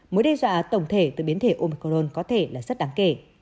mối đe dọa tổng thể từ biến thể omicron có thể là rất đáng kể